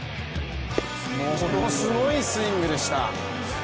ものすごいスイングでした。